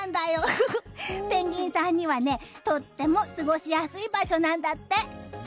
ペンギンさんには、とても過ごしやすい場所なんだって。